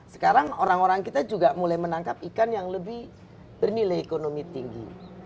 sekarang orang orang kita juga mulai menangkap ikan yang lebih bernilai ekonomi tinggi